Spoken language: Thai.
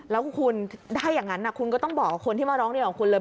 แล้วคุณถ้าอย่างนั้นคุณก็ต้องบอกกับคนที่มาร้องเรียนกับคุณเลย